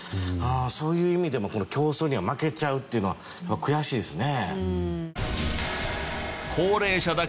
そういう意味でも競争には負けちゃうっていうのは悔しいですね。